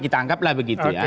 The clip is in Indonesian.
kita anggaplah begitu ya